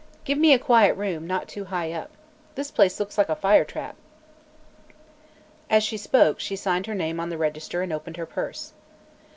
Give me a quiet room, not too high up. This place looks like a fire trap." As she spoke, she signed her name on the register and opened her purse.